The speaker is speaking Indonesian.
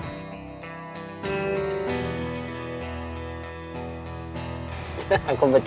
aku bercanda ri yuk deh jangan marah marah mula